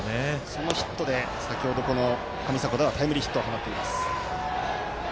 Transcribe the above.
そのヒットで先ほど上迫田はタイムリーヒットを放っています。